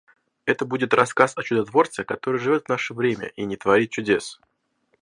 Это будет рассказ о чудотворце, который живет в наше время и не творит чудес.